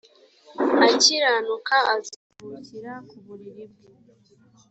akiranuka azaruhukira ku buriri bwe